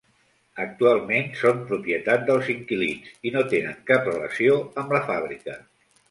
Actualment són propietat dels inquilins i no tenen cap relació amb la fàbrica.